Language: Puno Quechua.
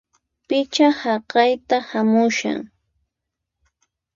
Pichá haqayta hamushan!